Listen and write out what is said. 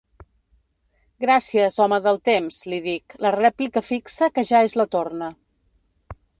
Gràcies, home del temps —li dic, la rèplica fixa que ja és la torna.